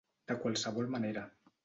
De qualsevol manera.